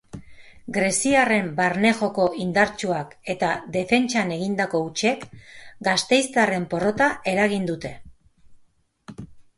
Greziarren barne joko indartsuak eta defentsan egindako hutsek gasteiztarren porrota eragin dute.